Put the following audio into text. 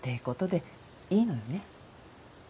ことでいいのよね？